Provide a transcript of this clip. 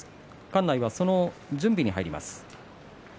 館内は、その準備に入ります。